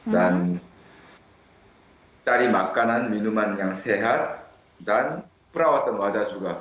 dan cari makanan minuman yang sehat dan perawatan wajah juga